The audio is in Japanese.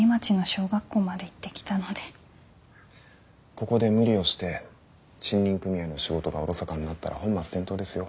ここで無理をして森林組合の仕事がおろそかになったら本末転倒ですよ。